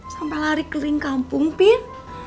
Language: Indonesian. sampai lari ke lingkampung pin